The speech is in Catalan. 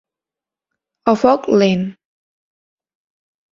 A foc lent.